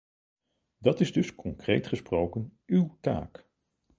Dat is dus concreet gesproken uw taak.